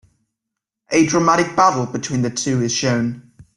A dramatic battle between the two is shown.